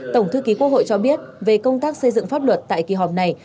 tổng thư ký quốc hội cho biết về công tác xây dựng pháp luật tại kỳ họp này